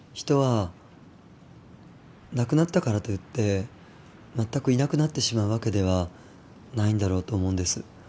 人は亡くなったからといって全くいなくなってしまうわけではないんだろうと思うんです。